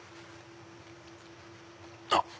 あっ！